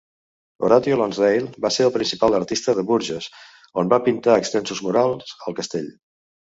Horatio Lonsdale va ser el principal artista de Burges, on va pintar extensos murals al castell.